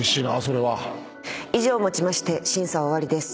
以上をもちまして審査は終わりです。